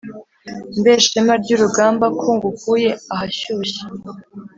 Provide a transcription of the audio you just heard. mbe shema ryurugamba ko ngukuye ahashyushye